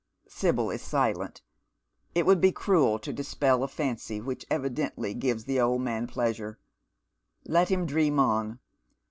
Sibyl is silent. It would be cruel to dispel a fancy which evidently gives the old man pleasure. Let him dream on.